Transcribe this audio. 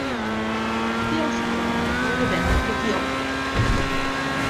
Té el suport del govern d'Etiòpia.